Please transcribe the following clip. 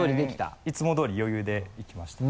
全然いつも通り余裕でいきましたね。